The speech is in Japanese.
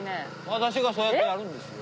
私がそうやってやるんですよ。